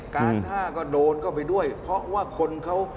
การท่าก็โดนเข้าไปด้วยเพราะว่าคนเขา